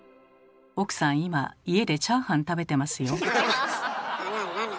奥さん今家でチャーハン食べてますよ。